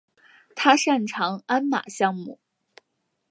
他擅长鞍马项目。